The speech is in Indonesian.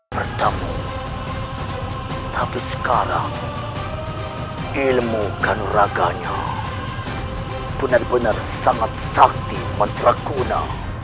pertama tapi sekarang ilmu kanuraganya benar benar sangat sakti dan terakuna